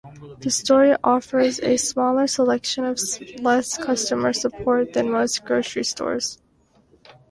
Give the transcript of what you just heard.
The store offers a smaller selection and less customer support than most grocery stores.